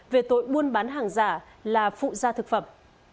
về tội buôn bán hàng giả là phụ gia thực phẩm